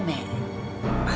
pasti akan terjadi ribuan